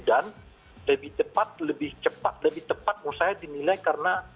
dan lebih cepat lebih cepat lebih cepat saya dinilai karena